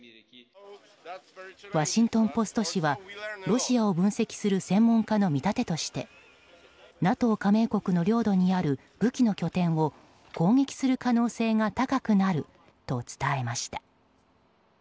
ワシントン・ポスト紙はロシアを分析する専門家の見立てとしてＮＡＴＯ加盟国の領土にある武器の拠点を攻撃する可能性が高くなると伝えました。